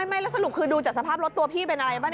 ไม่แล้วสรุปคือดูจากสภาพรถตัวพี่เป็นอะไรป่ะ